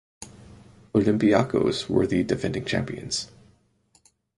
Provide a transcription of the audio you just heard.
Olympiacos were the defending champions.